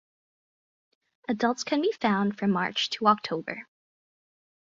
Adults can be found from March to October.